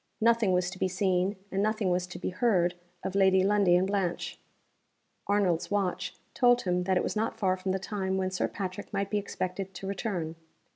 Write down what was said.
Nothing was to be seen, and nothing was to be heard, of Lady Lundie and Blanche. Arnold's watch told him that it was not far from the time when Sir Patrick might be expected to return.